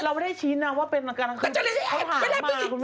เราไม่ได้ชิสน่ะว่าเป็นอาการแข็งจิตเขาหามานะครับคุณแม่ไม่ได้ไม่ได้เรียบร้อย